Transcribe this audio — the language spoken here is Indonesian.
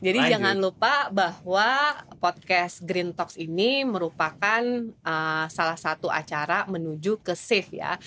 jadi jangan lupa bahwa podcast green talks ini merupakan salah satu acara menuju ke sif ya